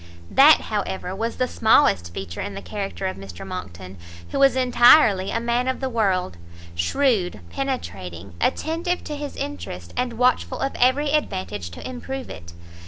That, however, was the smallest feature in the character of Mr Monckton, who was entirely a man of the world, shrewd, penetrating, attentive to his interest, and watchful of every advantage to improve it.